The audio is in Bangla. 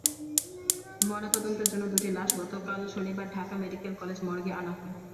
ময়নাতদন্তের জন্য দুটি লাশ গতকাল শনিবার ঢাকা মেডিকেল কলেজ মর্গে আনা হয়।